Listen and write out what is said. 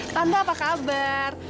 tante apa kabar